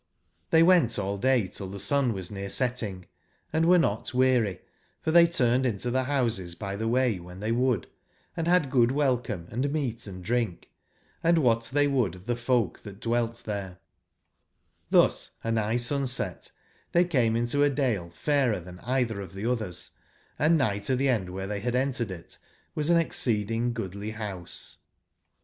TThey went all day till the sun was near setting, and were not weary, for they turn ed into the houses by the way when tbey would, and had good welcome, & meat and drink, and what they would of the folk that dwelt thereXbus anigh sun set they came in to a dale fairer than either of the oth ers, & nigh to the end where they had entered it was an exceeding goodly house.